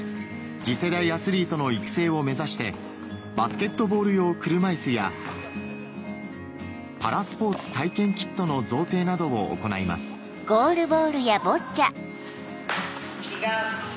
次世代アスリートの育成を目指してバスケットボール用車いすやパラスポーツ体験キットの贈呈などを行います違う。